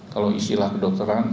kalau istilah kedokteran